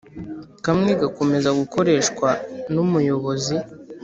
kamwe gakomeza gukoreshwa n'umuyobozi